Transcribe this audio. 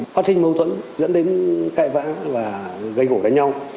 phát sinh mâu thuẫn dẫn đến cại vã và gây gỗ đánh nhau